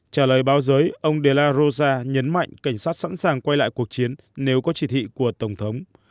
trả lời báo giới ông de la rosa nhấn mạnh cảnh sát sẵn sàng quay lại cuộc chiến nếu có chỉ thị của tổng thống